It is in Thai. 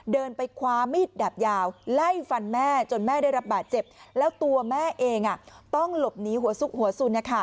เดินไปคว้ามีดดาบยาวไล่ฟันแม่จนแม่ได้รับบาดเจ็บแล้วตัวแม่เองต้องหลบหนีหัวซุกหัวสุน